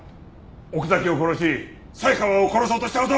奥崎を殺し才川を殺そうとした事！